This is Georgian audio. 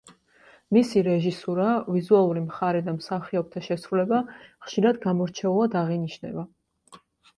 მისი რეჟისურა, ვიზუალური მხარე და მსახიობთა შესრულება ხშირად გამორჩეულად აღინიშნება.